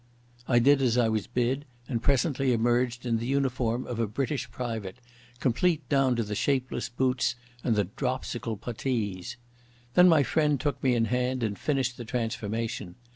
I did as I was bid, and presently emerged in the uniform of a British private, complete down to the shapeless boots and the dropsical puttees. Then my friend took me in hand and finished the transformation.